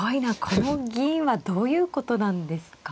この銀はどういうことなんですか。